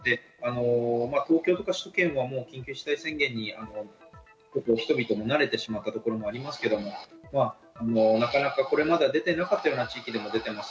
東京とか首都圏は緊急事態宣言に人々も慣れてしまったところもありますけど、なかなかこれまで出てなかった地域でも出ています。